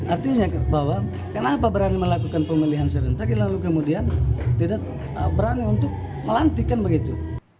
artinya bahwa kenapa berani melakukan pemilihan serentak lalu kemudian tidak berani untuk melantik kan begitu